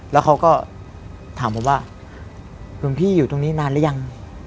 แล้วเขาก็ถามผมว่าหลวงพี่อยู่ตรงนี้นานหรือยัง